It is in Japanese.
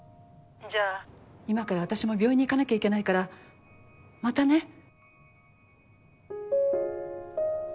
じゃあ今から私も病院に行かなきゃいけないからまたね。